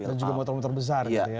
dan juga motor motor besar gitu ya